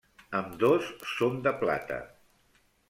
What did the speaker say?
Ambdós són de plata.